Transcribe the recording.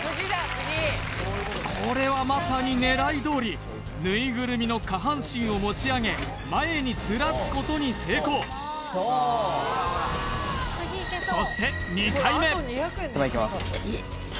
これはまさに狙いどおりぬいぐるみの下半身を持ち上げ前にズラすことに成功そして２回目手前いきます